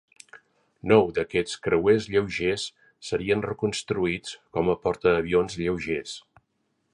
Nou d'aquests creuers lleugers serien reconstruïts com a portaavions lleugers.